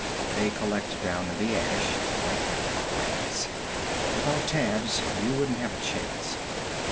They collect down in the ash. Like crabs. Without tabs you wouldn't have a chance."